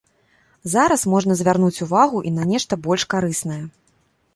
Зараз можна звярнуць увагу і на нешта больш карыснае.